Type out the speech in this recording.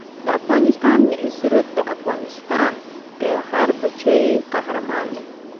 د افغانستان ملي سرود دا افغانستان دی هر بچه یې قهرمان دی